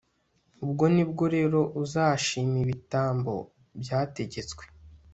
ubwo ni bwo rero uzashima ibitambo byategetswe